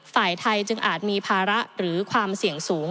ฝ่ายไทยจึงอาจมีภาระหรือความเสี่ยงสูง